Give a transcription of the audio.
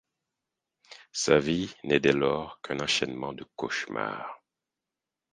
Sa vie n'est dès lors qu'un enchaînement de cauchemars.